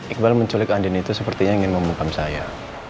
iqbal menculik andin itu sepertinya ingin memukam saya